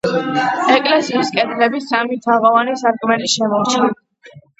ეკლესიის კედლებს სამი თაღოვანი სარკმელი შემორჩა.